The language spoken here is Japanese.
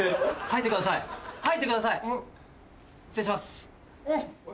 吐いてください！